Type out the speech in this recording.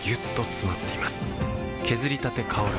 削りたて香る